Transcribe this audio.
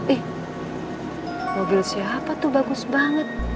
ih mobil siapa tuh bagus banget